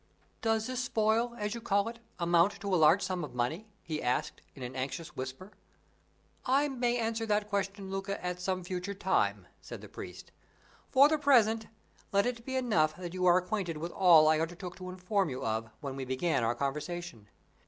"Does this spoil, as you call it, amount to a large sum of money?" he asked, in an anxious whisper. "I may answer that question, Luca, at some future time," said the priest. "For the present, let it be enough that you are acquainted with all I undertook to inform you of when we began our conversation.